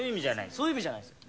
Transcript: そういう意味じゃないですよ